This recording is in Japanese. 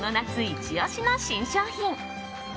イチ押しの新商品。